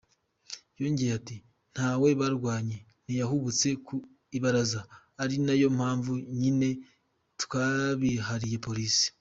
Yongeye ati “Ntawe barwanye, ntiyahubutse ku ibaraza, ari nayo mpamvu nyine twabihariye Polisi.